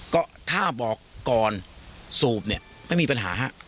ก็ถ้าบอกก่อนสูบเนี่ยไม่มีปัญหาฮะ